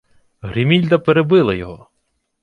Гримільда перебила його: